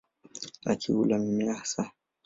Lakini hula mimea hasa.